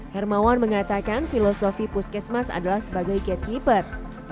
hermawan mengatakan filosofi puskesmas adalah sebagai gatekeeper